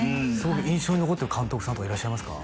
はい印象に残ってる監督さんとかいらっしゃいますか？